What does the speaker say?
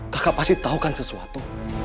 kakak pasti tahu kan sesuatu